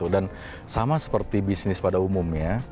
dan sama seperti bisnis pada umumnya